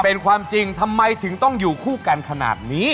เป็นความจริงทำไมถึงต้องอยู่คู่กันขนาดนี้